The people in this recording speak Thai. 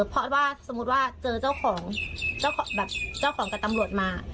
เพราะว่าสมมติว่าเจอเจ้าของกับตำรวจมา